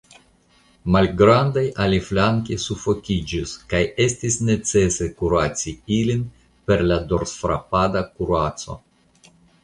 Malgrandaj aliflanke sufokiĝis, kaj estis necese kuraci ilin per la dorsfrapada kuraco.